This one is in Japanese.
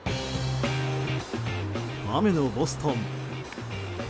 雨のボストン。